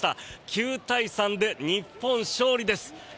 ９対３で日本勝利です。